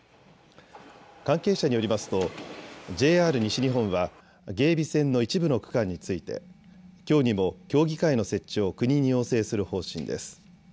関係者によりますとＪＲ西日本は芸備線の一部の区間についてきょうにも協議会の設置を国に要請する方針です。